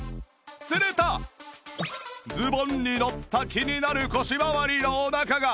するとズボンにのった気になる腰まわりのお腹が